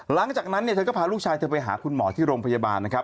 หลังจากนั้นเนี่ยเธอก็พาลูกชายเธอไปหาคุณหมอที่โรงพยาบาลนะครับ